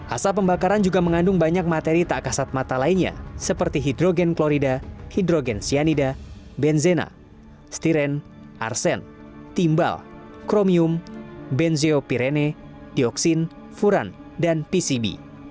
asap pembakaran juga mengandung banyak materi tak kasat mata lainnya seperti hidrogen klorida hidrogen cyanida benzena stiren arsen timbal kromium benzeopirene dioksin furan dan pcb